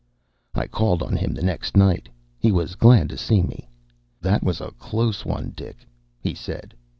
I called on him the next night. He was glad to see me. "That was a close one, Dick," he said.